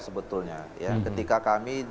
sebetulnya ketika kami dulu generasi